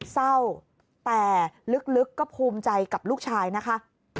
เศร้าแต่ลึกก็ภูมิใจกับลูกชายนะคะ